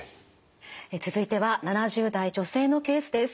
続いては７０代女性のケースです。